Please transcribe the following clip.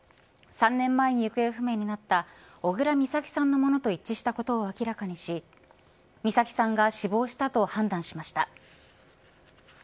３年前に行方不明になった小倉美咲さんのものと一致したことを明らかにし美咲さんが死亡したと判断しました。